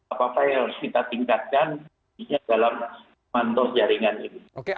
apa apa yang harus kita tingkatkan dalam mantos jaringan ini